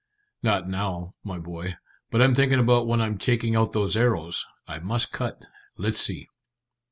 "Not now, my boy, but I'm thinking about when I'm taking out those arrows. I must cut. Let's see."